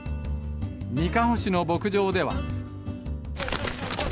にかほ市の牧場では。